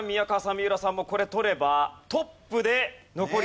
三浦さんもこれ取ればトップで残り３問。